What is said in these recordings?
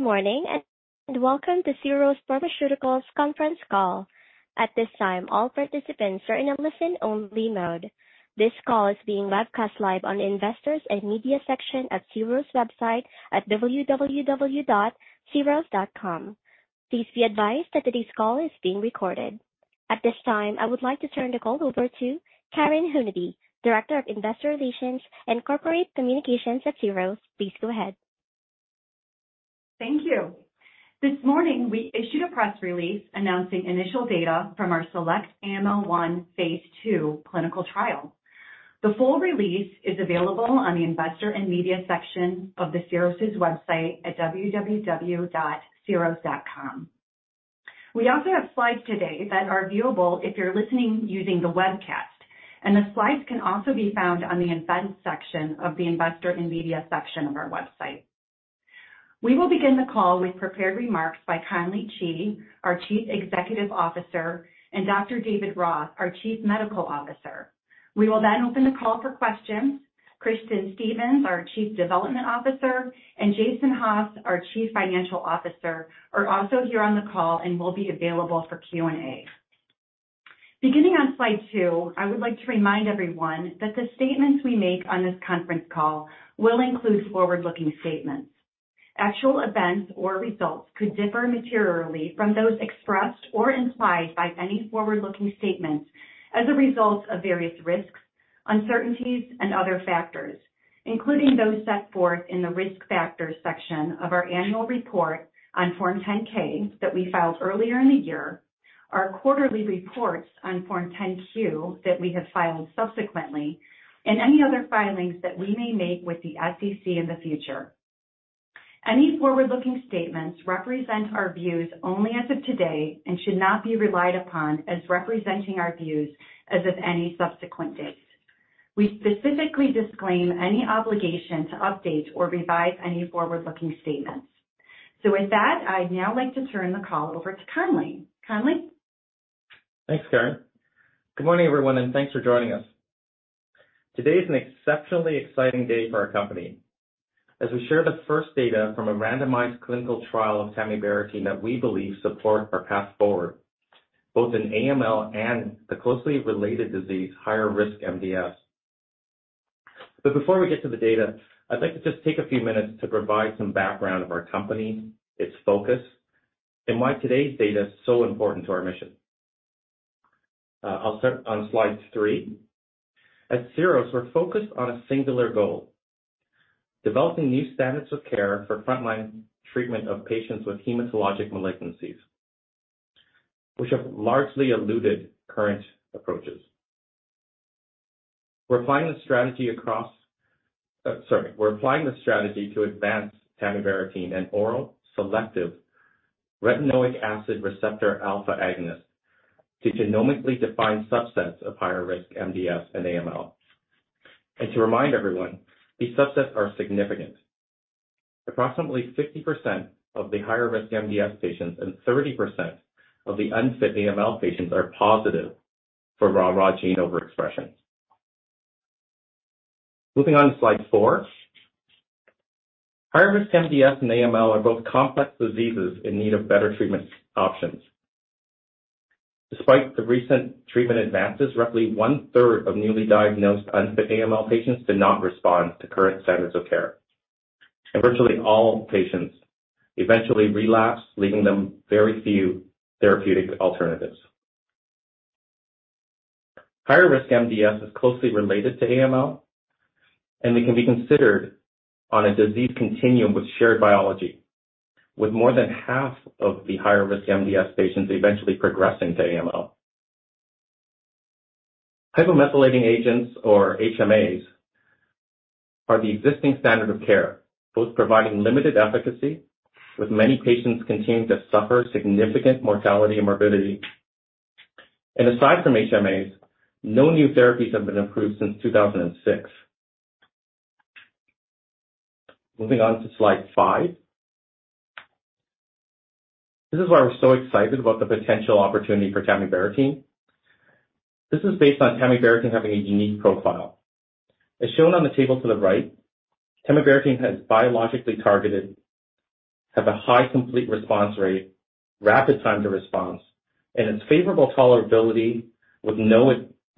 Good morning, and welcome to Syros Pharmaceuticals conference call. At this time, all participants are in a listen-only mode. This call is being webcast live on the Investors and Media section of Syros' website at www.syros.com. Please be advised that today's call is being recorded. At this time, I would like to turn the call over to Karen Hunady, Director of Investor Relations and Corporate Communications at Syros. Please go ahead. Thank you. This morning, we issued a press release announcing initial data from our SELECT-AML-1 phase II clinical trial. The full release is available on the Investor and Media section of the Syros' website at www.syros.com. We also have slides today that are viewable if you're listening using the webcast, and the slides can also be found on the Events section of the Investor and Media section of our website. We will begin the call with prepared remarks by Conley Chee, our Chief Executive Officer, and Dr. David Roth, our Chief Medical Officer. We will then open the call for questions. Kristin Stevens, our Chief Development Officer, and Jason Haas, our Chief Financial Officer, are also here on the call and will be available for Q&A. Beginning on slide two, I would like to remind everyone that the statements we make on this conference call will include forward-looking statements. Actual events or results could differ materially from those expressed or implied by any forward-looking statements as a result of various risks, uncertainties, and other factors, including those set forth in the Risk Factors section of our annual report on Form 10-K that we filed earlier in the year, our quarterly reports on Form 10-Q that we have filed subsequently, and any other filings that we may make with the SEC in the future. Any forward-looking statements represent our views only as of today and should not be relied upon as representing our views as of any subsequent date. We specifically disclaim any obligation to update or revise any forward-looking statements. So with that, I'd now like to turn the call over to Conley. Conley? Thanks, Karen. Good morning, everyone, and thanks for joining us. Today is an exceptionally exciting day for our company as we share the first data from a randomized clinical trial of tamibarotene that we believe support our path forward, both in AML and the closely related disease, higher-risk MDS. But before we get to the data, I'd like to just take a few minutes to provide some background of our company, its focus, and why today's data is so important to our mission. I'll start on slide three. At Syros, we're focused on a singular goal: developing new standards of care for frontline treatment of patients with hematologic malignancies, which have largely eluded current approaches. We're applying this strategy to advance tamibarotene, an oral selective retinoic acid receptor alpha agonist, to genomically define subsets of higher-risk MDS and AML. To remind everyone, these subsets are significant. Approximately 60% of the higher-risk MDS patients and 30% of the unfit AML patients are positive for RARA gene overexpression. Moving on to slide 4. Higher-risk MDS and AML are both complex diseases in need of better treatment options. Despite the recent treatment advances, roughly one-third of newly diagnosed unfit AML patients did not respond to current standards of care, and virtually all patients eventually relapse, leaving them very few therapeutic alternatives. Higher-risk MDS is closely related to AML, and it can be considered on a disease continuum with shared biology, with more than half of the higher-risk MDS patients eventually progressing to AML. Hypomethylating agents, or HMAs, are the existing standard of care, both providing limited efficacy, with many patients continuing to suffer significant mortality and morbidity. Aside from HMAs, no new therapies have been approved since 2006. Moving on to slide 5. This is why we're so excited about the potential opportunity for tamibarotene. This is based on tamibarotene having a unique profile. As shown on the table to the right, tamibarotene has biologically targeted, has a high complete response rate, rapid time to response, and its favorable tolerability with no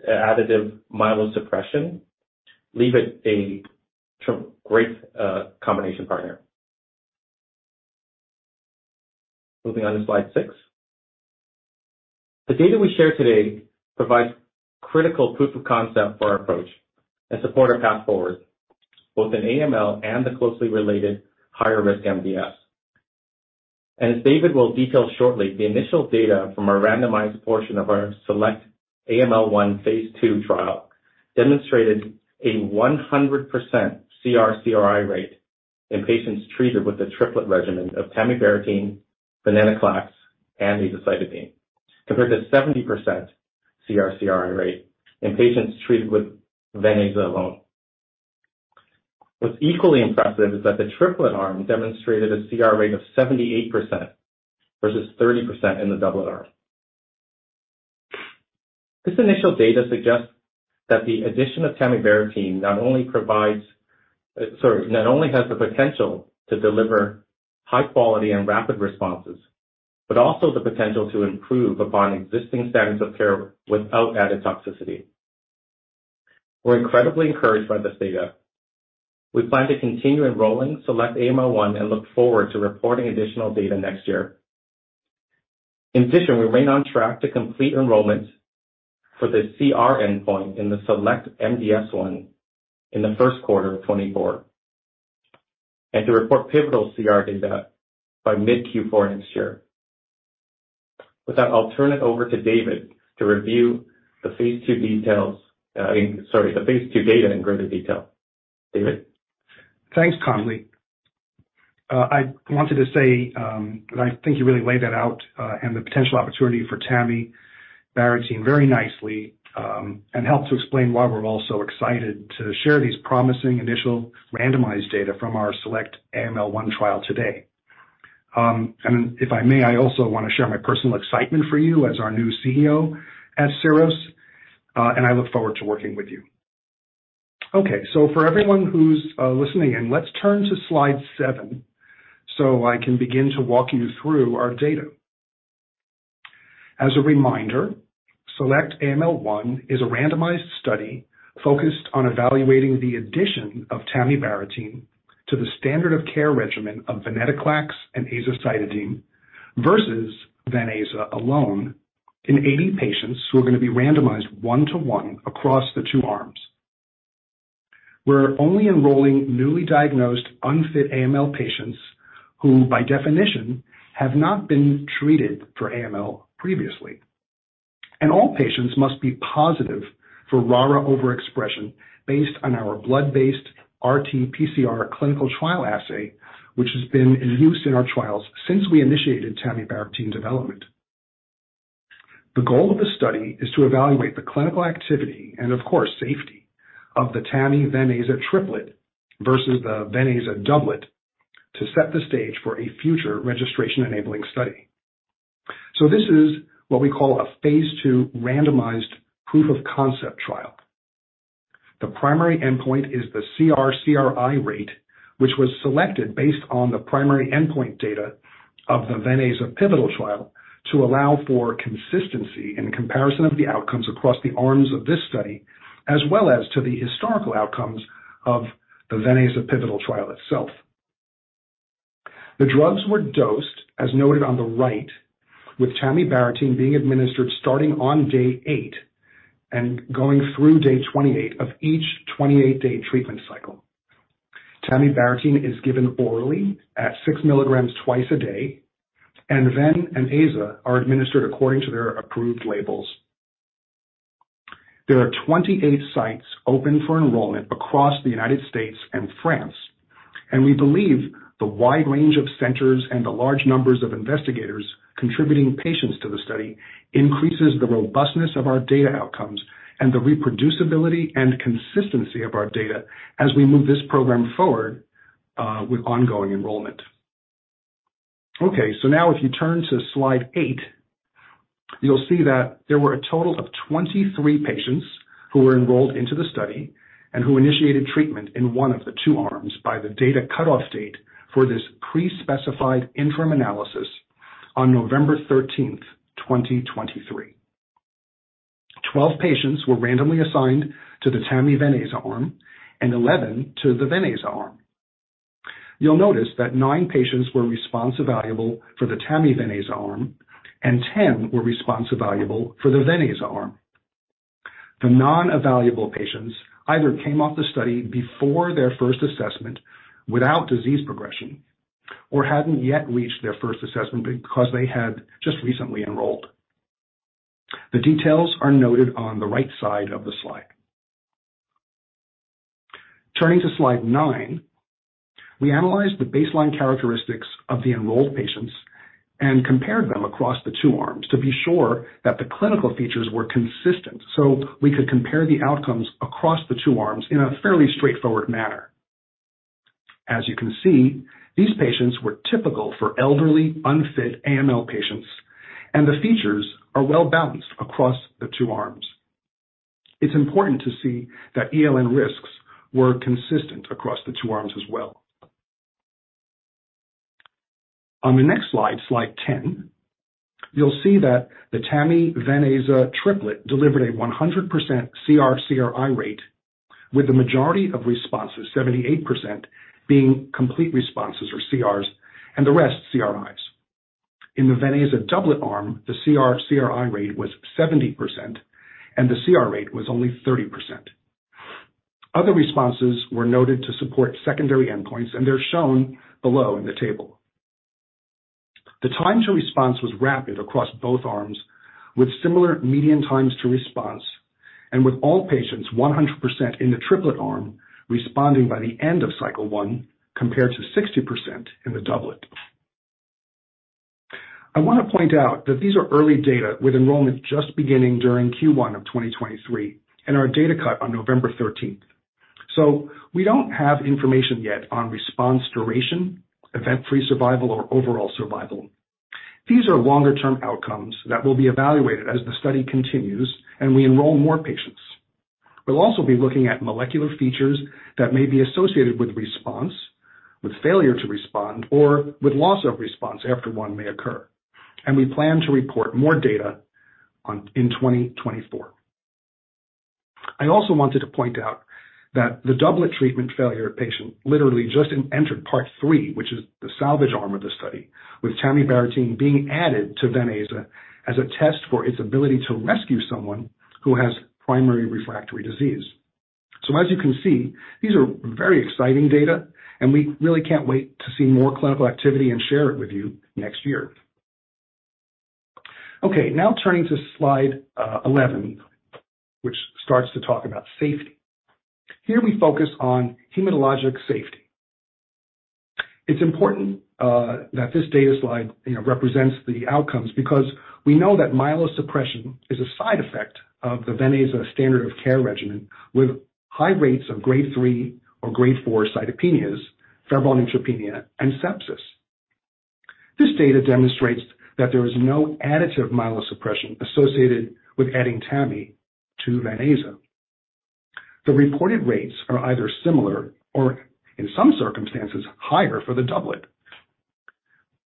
additive myelosuppression, leave it a great, combination partner. Moving on to slide 6. The data we share today provides critical proof of concept for our approach and support our path forward, both in AML and the closely related higher-risk MDS. As David will detail shortly, the initial data from our randomized portion of our SELECT-AML-1 phase II trial demonstrated a 100% CR/CRi rate in patients treated with a triplet regimen of tamibarotene, venetoclax, and azacitidine, compared to 70% CR/CRi rate in patients treated with ven/aza alone. What's equally impressive is that the triplet arm demonstrated a CR rate of 78% versus 30% in the doublet arm. This initial data suggests that the addition of tamibarotene not only has the potential to deliver high quality and rapid responses, but also the potential to improve upon existing standards of care without added toxicity. We're incredibly encouraged by this data. We plan to continue enrolling SELECT-AML-1 and look forward to reporting additional data next year. In addition, we remain on track to complete enrollment for the CR endpoint in the SELECT-MDS-1 in the first quarter of 2024, and to report pivotal CR data by mid-Q4 next year. With that, I'll turn it over to David to review the phase two data in greater detail. David? Thanks, Conley. I wanted to say that I think you really laid that out and the potential opportunity for tamibarotene very nicely and helped to explain why we're all so excited to share these promising initial randomized data from our SELECT-AML-1 trial today. And if I may, I also want to share my personal excitement for you as our new CEO at Syros and I look forward to working with you. Okay, for everyone who's listening in, let's turn to slide 7 so I can begin to walk you through our data. As a reminder, SELECT-AML-1 is a randomized study focused on evaluating the addition of tamibarotene to the standard of care regimen of venetoclax and azacitidine versus ven/aza alone in 80 patients who are going to be randomized one to one across the two arms. We're only enrolling newly diagnosed unfit AML patients who, by definition, have not been treated for AML previously. All patients must be positive for RARA overexpression based on our blood-based RT-PCR clinical trial assay, which has been in use in our trials since we initiated tamibarotene development. The goal of the study is to evaluate the clinical activity and, of course, safety of the tami/ven/aza triplet versus the ven/aza doublet to set the stage for a future registration-enabling study. This is what we call a phase II randomized proof of concept trial. The primary endpoint is the CR/CRi rate, which was selected based on the primary endpoint data of the ven/aza pivotal trial, to allow for consistency in comparison of the outcomes across the arms of this study, as well as to the historical outcomes of the ven/aza pivotal trial itself. The drugs were dosed, as noted on the right, with tamibarotene being administered starting on day eight and going through day 28 of each 28-day treatment cycle. Tamibarotene is given orally at 6 milligrams twice a day, and ven and aza are administered according to their approved labels. There are 28 sites open for enrollment across the United States and France, and we believe the wide range of centers and the large numbers of investigators contributing patients to the study increases the robustness of our data outcomes and the reproducibility and consistency of our data as we move this program forward with ongoing enrollment. Okay, so now if you turn to slide 8, you'll see that there were a total of 23 patients who were enrolled into the study and who initiated treatment in one of the two arms by the data cutoff date for this pre-specified interim analysis on November 13, 2023. Twelve patients were randomly assigned to the tami/ven/aza arm and 11 to the ven/aza arm. You'll notice that nine patients were response evaluable for the tami/ven/aza arm, and 10 were response evaluable for the ven/aza arm. The non-evaluable patients either came off the study before their first assessment without disease progression or hadn't yet reached their first assessment because they had just recently enrolled. The details are noted on the right side of the slide. Turning to slide 9, we analyzed the baseline characteristics of the enrolled patients and compared them across the two arms to be sure that the clinical features were consistent, so we could compare the outcomes across the two arms in a fairly straightforward manner. As you can see, these patients were typical for elderly, unfit AML patients, and the features are well balanced across the two arms. It's important to see that ELN risks were consistent across the two arms as well. On the next slide, slide 10, you'll see that the tami/ven/aza triplet delivered a 100% CR/CRI rate, with the majority of responses, 78%, being complete responses or CRs, and the rest CRIs. In the ven/aza doublet arm, the CR/CRI rate was 70% and the CR rate was only 30%. Other responses were noted to support secondary endpoints, and they're shown below in the table. The time to response was rapid across both arms, with similar median times to response and with all patients 100% in the triplet arm responding by the end of cycle one, compared to 60% in the doublet. I want to point out that these are early data, with enrollment just beginning during Q1 of 2023 and our data cut on November 13... So we don't have information yet on response duration, event-free survival, or overall survival. These are longer-term outcomes that will be evaluated as the study continues, and we enroll more patients. We'll also be looking at molecular features that may be associated with response, with failure to respond, or with loss of response after one may occur, and we plan to report more data on, in 2024. I also wanted to point out that the doublet treatment failure patient literally just entered part 3, which is the salvage arm of the study, with tamibarotene being added to ven/aza as a test for its ability to rescue someone who has primary refractory disease. So as you can see, these are very exciting data, and we really can't wait to see more clinical activity and share it with you next year. Okay, now turning to slide 11, which starts to talk about safety. Here we focus on hematologic safety. It's important that this data slide, you know, represents the outcomes because we know that myelosuppression is a side effect of the ven/aza standard of care regimen, with high rates of grade 3 or grade 4 cytopenias, febrile neutropenia, and sepsis. This data demonstrates that there is no additive myelosuppression associated with adding tami to ven/aza. The reported rates are either similar or, in some circumstances, higher for the doublet.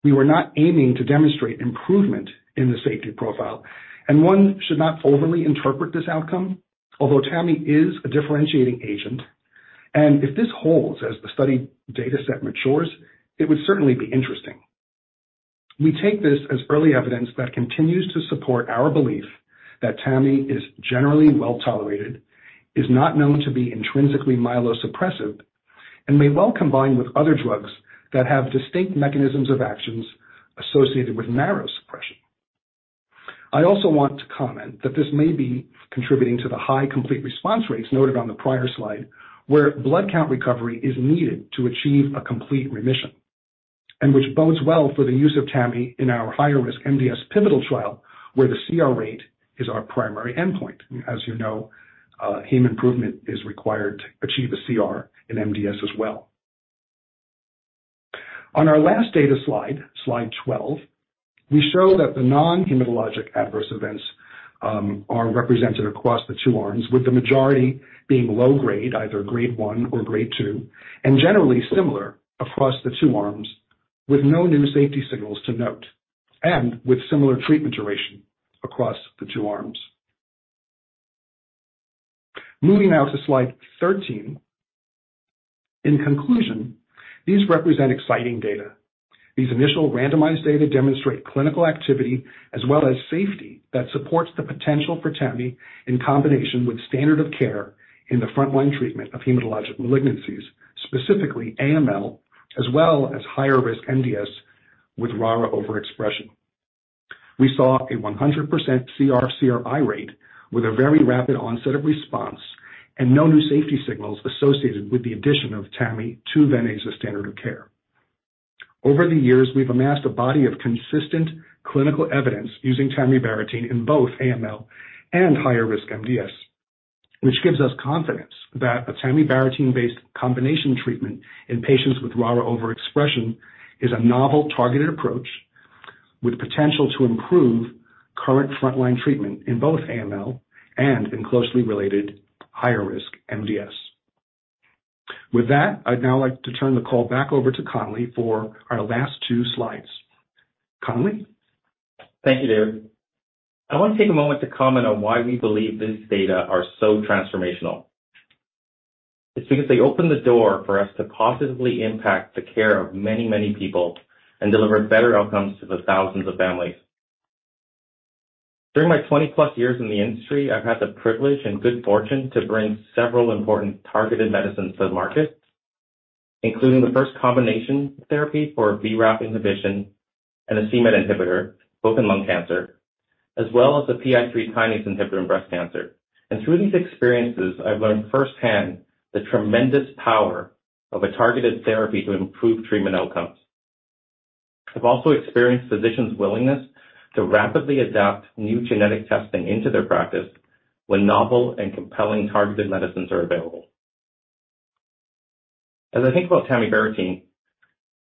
We were not aiming to demonstrate improvement in the safety profile, and one should not overly interpret this outcome, although tamibarotene is a differentiating agent, and if this holds as the study dataset matures, it would certainly be interesting. We take this as early evidence that continues to support our belief that tamibarotene is generally well-tolerated, is not known to be intrinsically myelosuppressive, and may well combine with other drugs that have distinct mechanisms of actions associated with narrow suppression. I also want to comment that this may be contributing to the high complete response rates noted on the prior slide, where blood count recovery is needed to achieve a complete remission, and which bodes well for the use of tamibarotene in our higher-risk MDS pivotal trial, where the CR rate is our primary endpoint. As you know, hematologic improvement is required to achieve a CR in MDS as well. On our last data slide, slide 12, we show that the non-hematologic adverse events are represented across the two arms, with the majority being low grade, either grade 1 or grade 2, and generally similar across the two arms, with no new safety signals to note and with similar treatment duration across the two arms. Moving now to slide 13. In conclusion, these represent exciting data. These initial randomized data demonstrate clinical activity as well as safety that supports the potential for tami in combination with standard of care in the frontline treatment of hematologic malignancies, specifically AML, as well as higher-risk MDS with RARA overexpression. We saw a 100% CR/CRi rate with a very rapid onset of response and no new safety signals associated with the addition of tamibarotene to venetoclax standard of care. Over the years, we've amassed a body of consistent clinical evidence using tamibarotene in both AML and higher-risk MDS, which gives us confidence that a tamibarotene-based combination treatment in patients with RARA overexpression is a novel, targeted approach with potential to improve current frontline treatment in both AML and in closely related higher-risk MDS. With that, I'd now like to turn the call back over to Conley for our last two slides. Conley? Thank you, David. I want to take a moment to comment on why we believe this data are so transformational. It's because they open the door for us to positively impact the care of many, many people and deliver better outcomes to the thousands of families. During my 20+ years in the industry, I've had the privilege and good fortune to bring several important targeted medicines to the market, including the first combination therapy for BRAF inhibition and a cMET inhibitor, both in lung cancer, as well as a PI3 kinase inhibitor in breast cancer. And through these experiences, I've learned firsthand the tremendous power of a targeted therapy to improve treatment outcomes. I've also experienced physicians' willingness to rapidly adapt new genetic testing into their practice when novel and compelling targeted medicines are available. As I think about tamibarotene,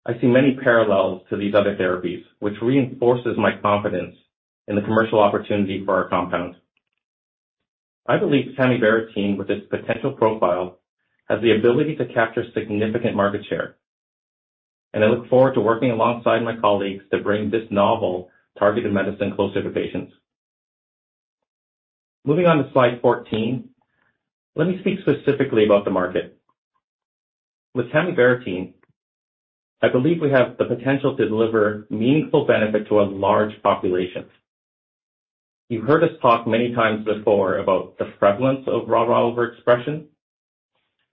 I see many parallels to these other therapies, which reinforces my confidence in the commercial opportunity for our compound. I believe tamibarotene, with its potential profile, has the ability to capture significant market share, and I look forward to working alongside my colleagues to bring this novel targeted medicine closer to patients. Moving on to slide 14, let me speak specifically about the market. With tamibarotene, I believe we have the potential to deliver meaningful benefit to a large population. You've heard us talk many times before about the prevalence of RARA overexpression,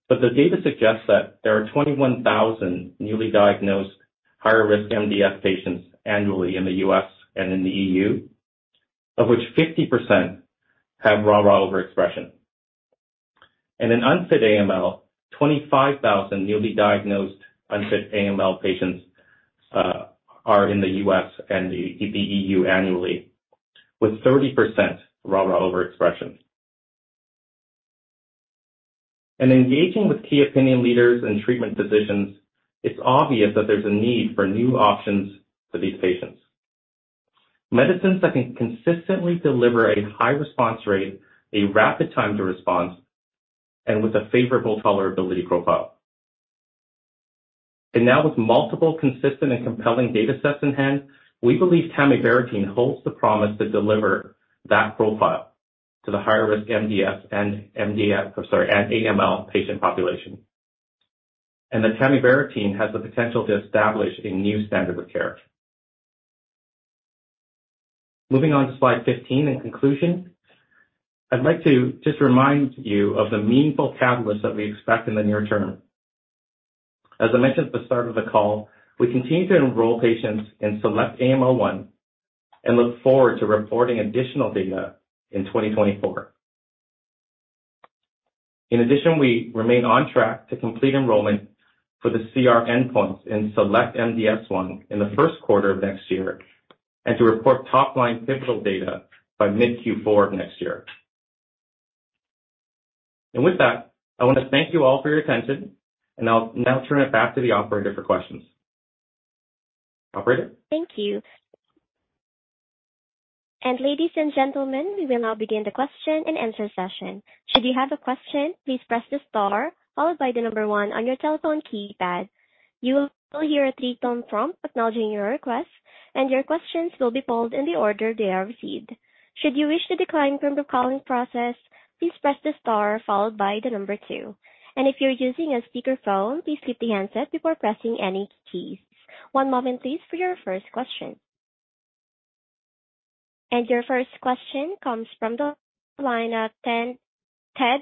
but the data suggests that there are 21,000 newly diagnosed higher-risk MDS patients annually in the U.S. and in the E.U., of which 50% have RARA overexpression. In unfit AML, 25,000 newly diagnosed unfit AML patients are in the U.S. and the E.U. annually.... with 30% RARA overexpression. In engaging with key opinion leaders and treatment decisions, it's obvious that there's a need for new options for these patients. Medicines that can consistently deliver a high response rate, a rapid time to response, and with a favorable tolerability profile. And now with multiple consistent and compelling data sets in hand, we believe tamibarotene holds the promise to deliver that profile to the higher-risk MDS and MDS, I'm sorry, and AML patient population. And that tamibarotene has the potential to establish a new standard of care. Moving on to slide 15, in conclusion, I'd like to just remind you of the meaningful catalysts that we expect in the near term. As I mentioned at the start of the call, we continue to enroll patients in SELECT-AML-1, and look forward to reporting additional data in 2024. In addition, we remain on track to complete enrollment for the CR endpoints in SELECT-MDS-1 in the first quarter of next year, and to report top-line pivotal data by mid-Q4 of next year. And with that, I want to thank you all for your attention, and I'll now turn it back to the operator for questions. Operator? Thank you. Ladies and gentlemen, we will now begin the question-and-answer session. Should you have a question, please press the star followed by the number 1 on your telephone keypad. You will hear a 3-tone prompt acknowledging your request, and your questions will be pulled in the order they are received. Should you wish to decline from the calling process, please press the star followed by the number two. If you're using a speakerphone, please keep the handset before pressing any keys. One moment, please, for your first question. Your first question comes from the line of Ted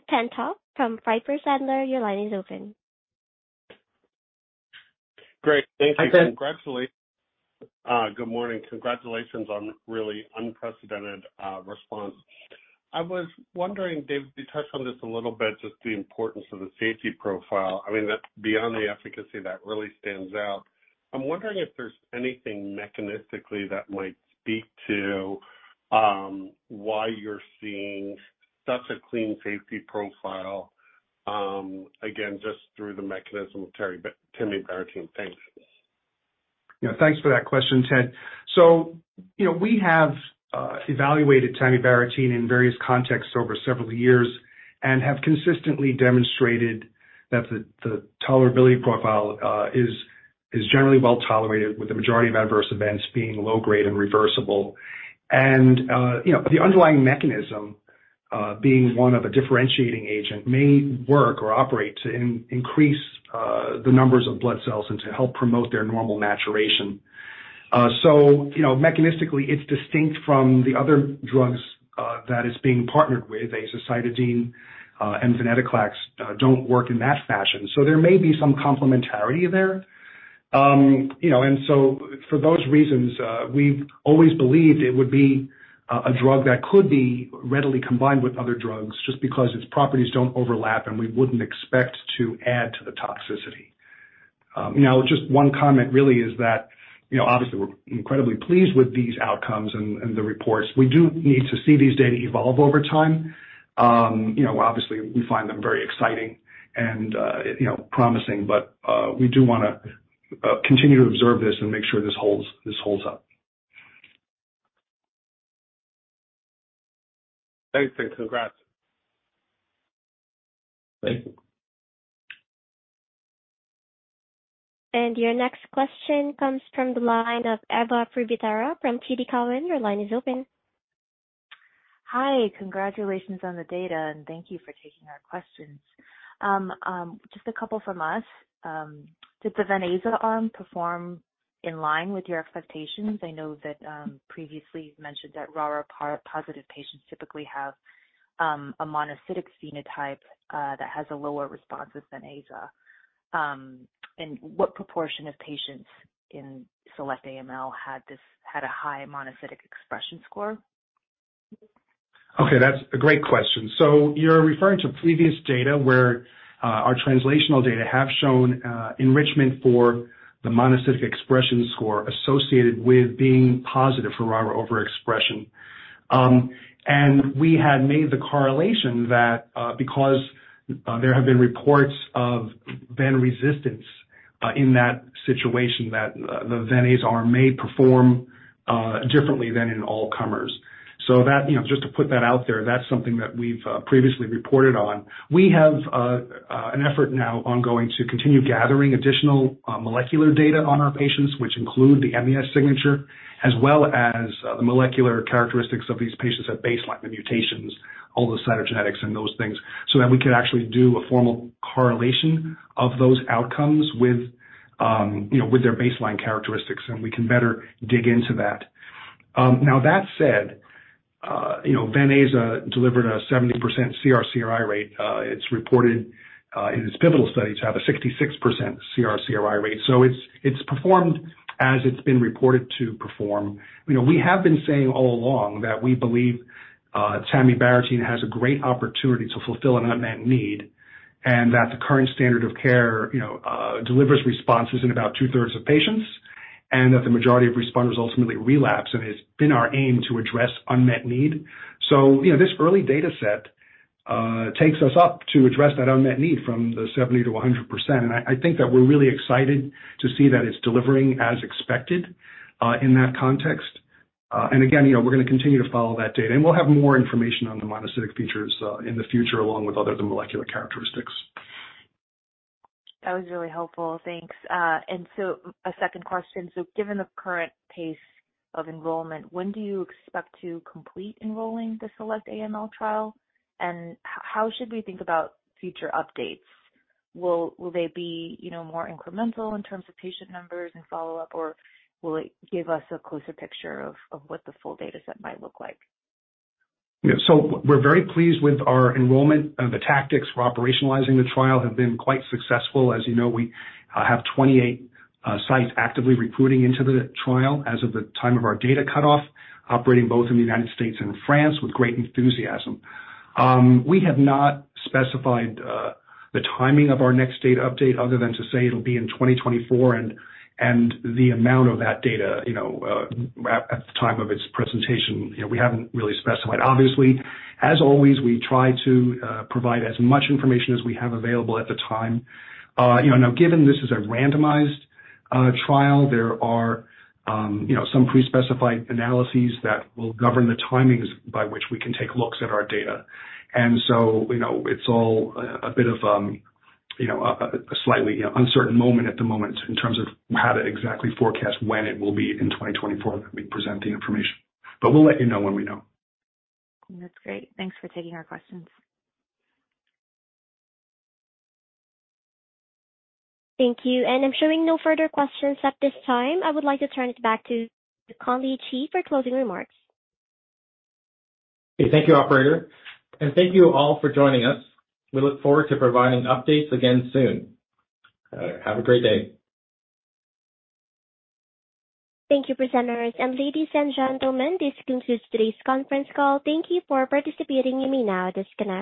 Tenthoff from Piper Sandler. Your line is open. Great, thank you. Hi, Ted. Good morning. Congratulations on really unprecedented response. I was wondering, Dave, you touched on this a little bit, just the importance of the safety profile. I mean, that beyond the efficacy, that really stands out. I'm wondering if there's anything mechanistically that might speak to why you're seeing such a clean safety profile, again, just through the mechanism of tamibarotene. Thanks. Yeah, thanks for that question, Ted. So, you know, we have evaluated tamibarotene in various contexts over several years and have consistently demonstrated that the tolerability profile is generally well tolerated, with the majority of adverse events being low grade and reversible. And, you know, the underlying mechanism being one of a differentiating agent, may work or operate to increase the numbers of blood cells and to help promote their normal maturation. So, you know, mechanistically, it's distinct from the other drugs that it's being partnered with, azacitidine and venetoclax don't work in that fashion. So there may be some complementarity there. You know, and so for those reasons, we've always believed it would be a drug that could be readily combined with other drugs, just because its properties don't overlap, and we wouldn't expect to add to the toxicity. You know, just one comment really is that, you know, obviously we're incredibly pleased with these outcomes and the reports. We do need to see these data evolve over time. You know, obviously we find them very exciting and, you know, promising, but we do wanna continue to observe this and make sure this holds up. Thanks, Dave. Congrats. Thank you. Your next question comes from the line of Eva Privitera from TD Cowen. Your line is open. Hi. Congratulations on the data, and thank you for taking our questions. Just a couple from us. Did the ven/aza arm perform in line with your expectations? I know that, previously you've mentioned that RARA-positive patients typically have a monocytic phenotype that has a lower response than aza. And what proportion of patients in SELECT-AML had this, had a high monocytic expression score? Okay, that's a great question. So you're referring to previous data where our translational data have shown enrichment for the monocytic expression score associated with being positive for RARA overexpression. And we had made the correlation that because there have been reports of ven resistance in that situation, the ven/aza arm may perform differently than in all comers. So that, you know, just to put that out there, that's something that we've previously reported on. We have an effort now ongoing to continue gathering additional molecular data on our patients, which include the MES signature, as well as the molecular characteristics of these patients at baseline, the mutations, all the cytogenetics and those things, so that we can actually do a formal correlation of those outcomes with, you know, with their baseline characteristics, and we can better dig into that. Now, that said, you know, ven/aza delivered a 70% CR/CRi rate. It's reported in its pivotal study to have a 66% CR/CRi rate. So it's performed as it's been reported to perform. You know, we have been saying all along that we believe tamibarotene has a great opportunity to fulfill an unmet need, and that the current standard of care, you know, delivers responses in about two-thirds of patients.... and that the majority of responders ultimately relapse, and it's been our aim to address unmet need. So, you know, this early data set takes us up to address that unmet need from the 70%-100%. And I think that we're really excited to see that it's delivering as expected in that context. And again, you know, we're gonna continue to follow that data, and we'll have more information on the monocytic features in the future, along with other molecular characteristics. That was really helpful. Thanks. And so a second question: so given the current pace of enrollment, when do you expect to complete enrolling the SELECT-AML trial? And how should we think about future updates? Will they be, you know, more incremental in terms of patient numbers and follow-up, or will it give us a closer picture of what the full data set might look like? Yeah. So we're very pleased with our enrollment. The tactics for operationalizing the trial have been quite successful. As you know, we have 28 sites actively recruiting into the trial as of the time of our data cutoff, operating both in the United States and France with great enthusiasm. We have not specified the timing of our next data update other than to say it'll be in 2024, and the amount of that data, you know, at the time of its presentation, you know, we haven't really specified. Obviously, as always, we try to provide as much information as we have available at the time. You know, now, given this is a randomized trial, there are you know, some pre-specified analyses that will govern the timings by which we can take looks at our data. And so, you know, it's all a bit of, you know, a slightly, you know, uncertain moment at the moment in terms of how to exactly forecast when it will be in 2024 that we present the information. But we'll let you know when we know. That's great. Thanks for taking our questions. Thank you. I'm showing no further questions at this time. I would like to turn it back to Conley Chee for closing remarks. Okay, thank you, operator, and thank you all for joining us. We look forward to providing updates again soon. Have a great day. Thank you, presenters. Ladies and gentlemen, this concludes today's conference call. Thank you for participating. You may now disconnect.